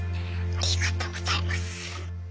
ありがとうございます。